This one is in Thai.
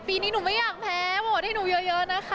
ปีนี้หนูไม่อยากแพ้โหวตให้หนูเยอะนะคะ